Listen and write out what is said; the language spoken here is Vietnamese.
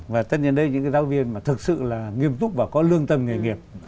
và tất nhiên đây những cái giáo viên mà thực sự là nghiêm túc và có lương tâm nghề nghiệp